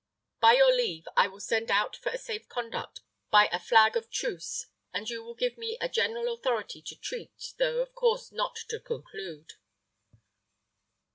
By your leave, I will send out for a safe conduct by a flag of truce, and you shall give me a general authority to treat, though, of course, not to conclude."